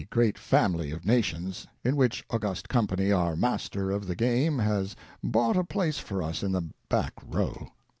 Great Family of Nations, in which august company our Master of the Game has bought a place for us in the back row.